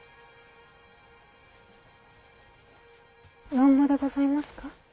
「論語」でございますか？